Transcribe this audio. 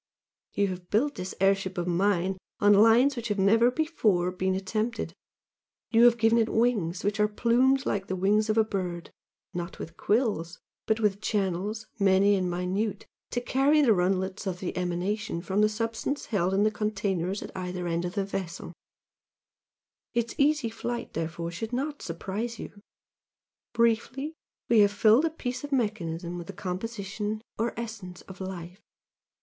You have built this airship of mine on lines which have never before been attempted; you have given it wings which are plumed like the wings of a bird, not with quills, but with channels many and minute, to carry the runlets of the 'emanation' from the substance held in the containers at either end of the vessel, its easy flight therefore should not surprise you. Briefly we have filled a piece of mechanism with the composition or essence of Life!